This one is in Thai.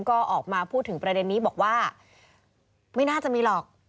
ก็ออกมาพูดถึงประเด็นนี้บอกว่าไม่น่าจะมีหรอก